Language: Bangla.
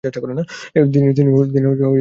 তিনি নিঃসন্তান ছিলেন।